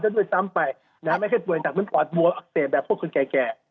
จะด้วยซ้ำไปไม่แค่ป่วยหนักมันปลอดบัวอักเศษแบบพวกคนแก่